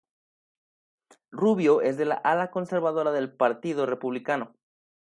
Rubio es del ala conservadora del Partido Republicano.